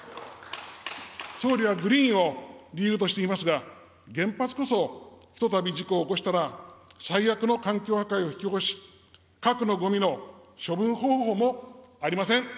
総理はグリーンを理由としていますが、原発こそひとたび事故を起こしたら最悪の環境破壊を引き起こし、核のごみの処分方法もありません。